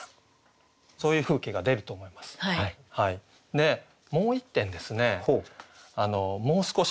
でもう１点ですねもう少しですね